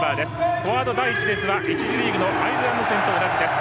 フォワード第１列は１次リーグのアイルランド戦と同じです。